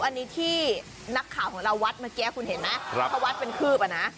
อันนี้ที่นักข่าวของเราวัดเมื่อกี้คุณเห็นไหมถ้าวัดเป็นคืบอ่ะนะ